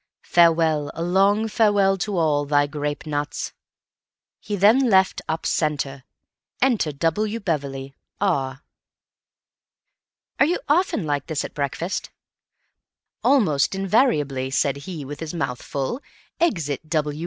Farewell, a long farewell to all—thy grape nuts.' He then left up centre. Enter W. Beverley, R." "Are you often like this at breakfast?" "Almost invariably. Said he with his mouth full. Exit W.